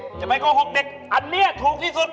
จะไปโกหกเด็กอันนี้ถูกที่สุด